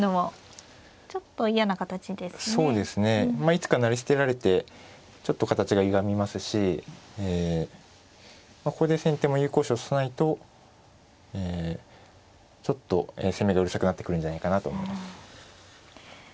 いつか成り捨てられてちょっと形がゆがみますしここで先手も有効手を指さないとちょっと攻めがうるさくなってくるんじゃないかなと思います。